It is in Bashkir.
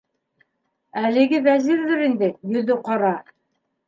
- Әлеге Вәзирҙер инде, йөҙө ҡара!